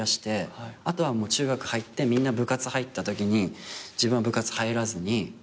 あとは中学入ってみんな部活入ったときに自分は部活入らずに。